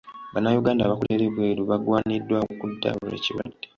Bannayuganda abakolera ebweru bagaaniddwa okudda olw'ekirwadde.